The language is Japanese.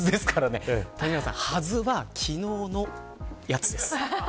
谷原さんはずは、昨日のやつです。